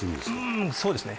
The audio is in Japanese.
うんそうですね